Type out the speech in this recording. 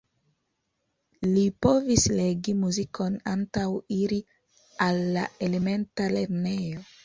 Li povis legi muzikon antaŭ iri al la elementa lernejo.